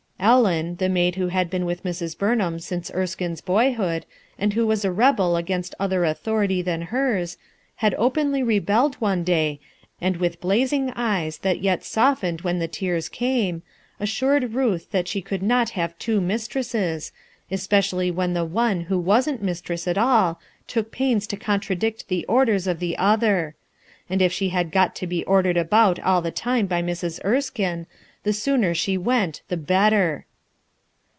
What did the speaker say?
Ellen, the maid who had been with Mrs. B^. ham since Erskine's boyhood, and who was a rebel against other authority than hers, had openly rebelled, one day, and with blazing eyes that yet softened when the tears came, assured Ruth that she could not have two mistresses especially when the one who wasn't mistress at all took pains to contradict the orders of the other; and if she had got to be ordered about all the time by Sirs. Erskine, the sooner she went, the better.